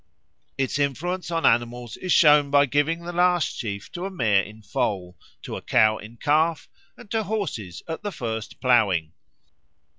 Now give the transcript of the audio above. Its influence on animals is shown by giving the last sheaf to a mare in foal, to a cow in calf, and to horses at the first ploughing.